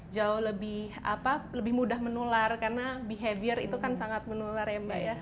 jauh lebih mudah menular karena behavior itu kan sangat menular ya mbak ya